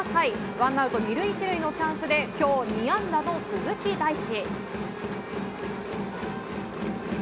ワンアウト２塁、１塁のチャンスで今日２安打の鈴木大地。